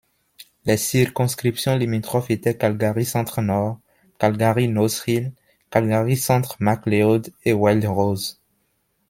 Les circonscriptions limitrophes était Calgary-Centre-Nord, Calgary—Nose Hill, Calgary-Centre, Macleod et Wild Rose.